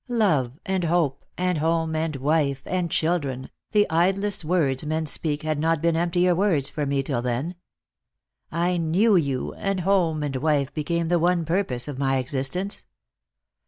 Love and hope and home and wife and children — the idlest words men speak had not been emptier words for me till then. I knew you, and home and wife became the one purpose of my existence.